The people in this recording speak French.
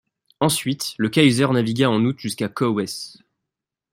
Ensuite le Kaiser navigua en août jusqu'à Cowes.